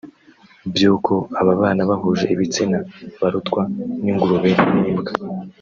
by’uko ababana bahuje ibitsina barutwa n’ingurube n’imbwa